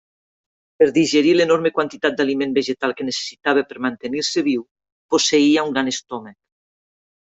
Per digerir l'enorme quantitat d'aliment vegetal que necessitava per mantenir-se viu, posseïa un gran estómac.